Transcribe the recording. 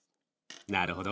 なるほど。